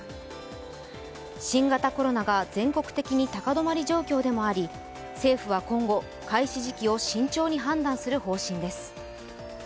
新型コロナが全国的に高止まり状況でもあり政府は今後、開始時期を慎重に判断する方針です。